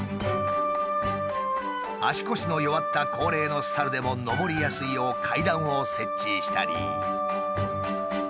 足腰の弱った高齢のサルでも上りやすいよう階段を設置したり。